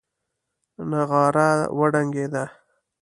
نغاره وډنګېده.